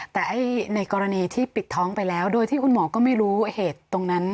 แต่ในกรณีที่ปิดท้องไปแล้วโดยที่คุณหมอก็ไม่รู้เหตุตรงนั้น